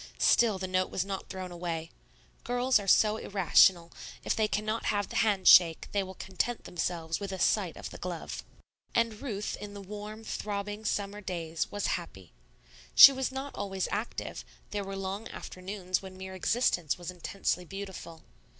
Still the note was not thrown away. Girls are so irrational; if they cannot have the hand shake, they will content themselves with a sight of the glove. And Ruth in the warm, throbbing, summer days was happy. She was not always active; there were long afternoons when mere existence was intensely beautiful.